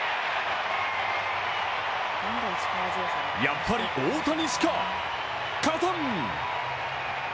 やっぱり大谷しか勝たん！